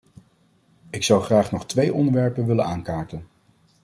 Ik zou graag nog twee onderwerpen willen aankaarten.